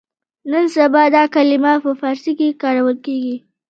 نن سبا دا کلمه په فارسي کې کارول کېږي.